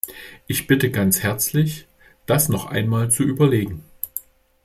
Ich bitte ganz herzlich, das noch einmal zu überlegen.